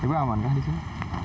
tapi aman kah di sini